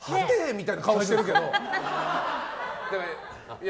みたいな顔してるけど。